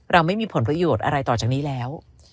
ไม่มีผลประโยชน์อะไรต่อจากนี้แล้ว